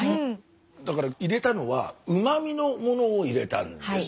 だから入れたのはうま味のものを入れたんです。